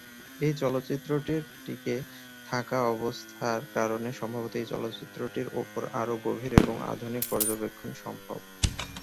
এই চলচ্চিত্রটির টিকে থাকা অবস্থার কারণে সম্ভবত এই চলচ্চিত্রটির উপর আরো গভীর এবং আধুনিক পর্যবেক্ষন সম্ভব।